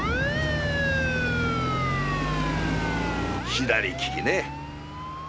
左利きねぇ。